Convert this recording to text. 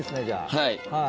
はい。